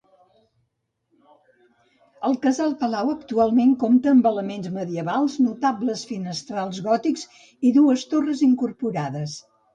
El casal-palau actualment compta amb elements medievals, notables finestrals gòtics i dues torres incorporades.